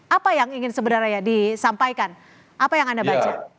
apa yang ingin sebenarnya disampaikan apa yang anda baca